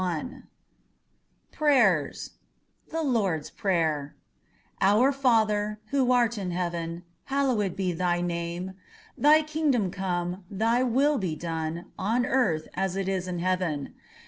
} PRAYERS THE LORD'S PRAYER Our Father, who art in heaven, hallowed be Thy name: Thy kingdom come; Thy will be done on earth as it is in heaven.